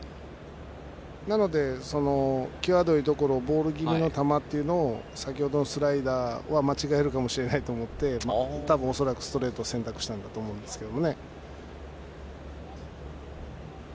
なので、際どいところボール気味の球というところを先ほどのスライダーは間違えるかもしれないと思って恐らくストレートを選択したと思いますけどね。